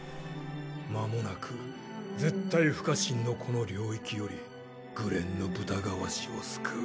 間もなく絶対不可侵のこの領域より紅蓮の豚がわしを救う。